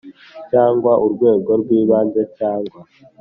Cyangwa urwego rw ibanze cyangwa